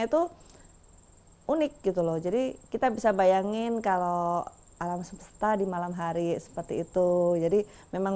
itu unik gitu loh jadi kita bisa bayangin kalau alam semesta di malam hari seperti itu jadi memang